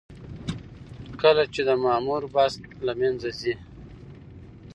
کله چې د مامور بست له منځه ځي.